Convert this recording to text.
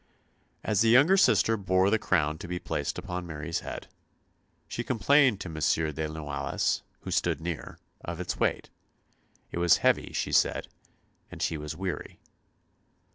As the younger sister bore the crown to be placed upon Mary's head, she complained to M. de Noailles, who stood near, of its weight. It was heavy, she said, and she was weary.